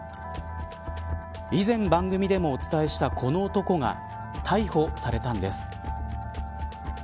以前、番組でもお伝えしたこの男が逮捕されたんです。